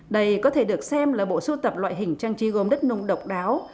đây có thể được xem là bộ sưu tập loại hình trang trí gốm đất nung độc đáo